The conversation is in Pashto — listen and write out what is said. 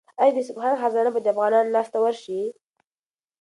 آیا د اصفهان خزانه به د افغانانو لاس ته ورشي؟